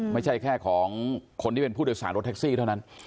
ไม่ใช่แค่ของคนที่เป็นผู้โดยสารรถแท็กซี่เท่านั้น